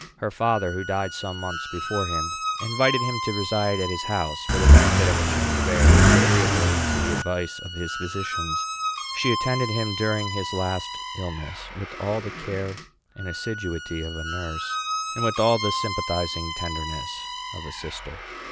Her father, who died some months before him, invited him to reside at his house for the benefit of a change of air, agreeably to the advice of his physicians. She attended him during his last illness with all the care and assiduity of a nurse and with all the sympathizing tenderness of a sister.